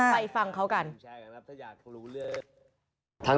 ไปฟังเขากัน